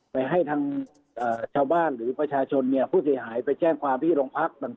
ไปให้ทางชาวบ้านหรือประชาชนผู้เสียหายไปแจ้งความที่โรงพัก